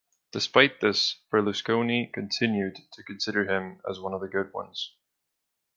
Despite this, Berlusconi continued to consider him as one of the good ones.